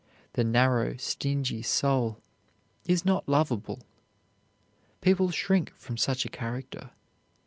The narrow, stingy soul is not lovable. People shrink from such a character.